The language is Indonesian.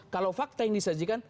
kalau fakta yang disajikan